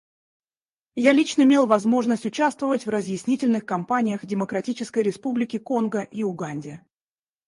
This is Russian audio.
Я лично имел возможность участвовать в разъяснительных кампаниях в Демократической Республике Конго и Уганде.